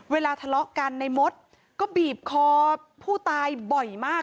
เวลาทะเลาะกันในมดก็บีบคอผู้ตายบ่อยมาก